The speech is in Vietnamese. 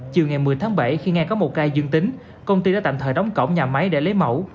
chiều ngày một mươi tháng bảy khi nghe có một ca dương tính công ty đã tạm thời đóng cổng nhà máy để lấy mẫu